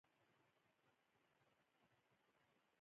ځمکه د افغانستان د انرژۍ سکتور یوه ډېره مهمه برخه ده.